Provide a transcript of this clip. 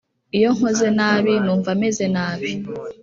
iyo nkoze nabi, numva meze nabi.